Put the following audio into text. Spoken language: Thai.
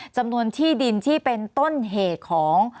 จำนวนที่ดินที่เป็นต้นเหตุของ